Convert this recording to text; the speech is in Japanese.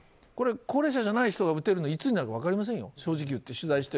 高齢者じゃない人が打てるのはいつになるか分かりませんよ。